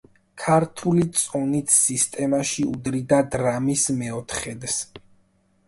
ქართული წონით სისტემაში უდრიდა დრამის მეოთხედს.